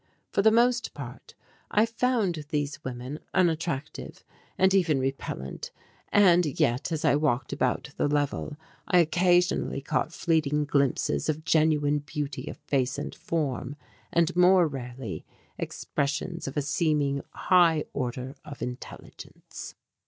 For the most part I found these women unattractive and even repellent, and yet as I walked about the level I occasionally caught fleeting glimpses of genuine beauty of face and form, and more rarely expressions of a seeming high order of intelligence.